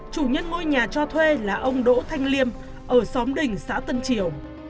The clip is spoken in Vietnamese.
chủ nhất ngôi nhà cho thuê là ông đỗ thanh liêm ở xóm đỉnh xã tân triều